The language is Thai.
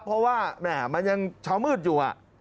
เพราะว่าแหม่มันยังเช้ามืดอยู่